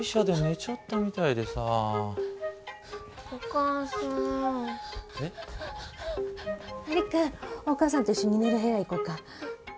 璃久お母さんと一緒に寝る部屋行こうか。